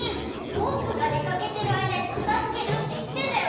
ぼくがでかけてるあいだにかたづけるっていってたよね？